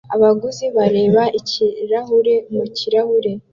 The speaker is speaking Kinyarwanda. Abaguzi bareba ikirahure mu kirahure